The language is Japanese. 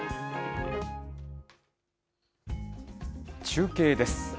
中継です。